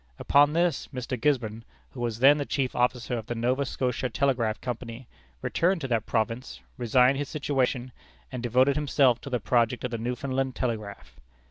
Upon this, Mr. Gisborne, who was then the chief officer of the Nova Scotia Telegraph Company, returned to that province, resigned his situation, and devoted himself to the project of the Newfoundland telegraph.